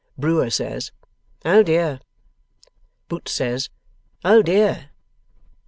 Brewer says, 'Oh dear!' Boots says, 'Oh dear!